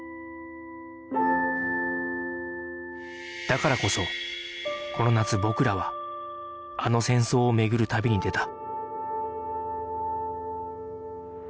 だからこそこの夏僕らはあの戦争を巡る旅に出た